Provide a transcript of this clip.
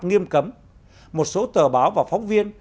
nghiêm cấm một số tờ báo và phóng viên